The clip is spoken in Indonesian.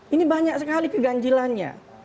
ini banyak sekali keganjilannya